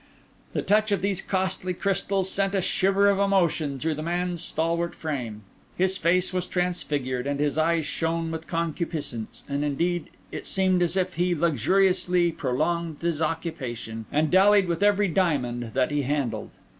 The touch of these costly crystals sent a shiver of emotion through the man's stalwart frame; his face was transfigured, and his eyes shone with concupiscence; indeed it seemed as if he luxuriously prolonged his occupation, and dallied with every diamond that he handled.